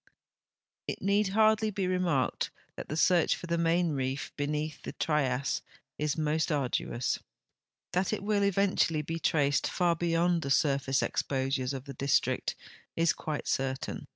It need hardly be remarked that the search for the Main Reef lieneath the Trias is most arduous. That it will eventually be traced far beyond the surface exposures of the district is quite certain.